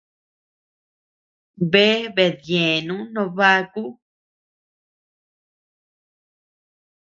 Bea bedyenu noo baku.